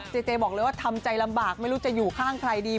เจเจบอกเลยว่าทำใจลำบากไม่รู้จะอยู่ข้างใครดี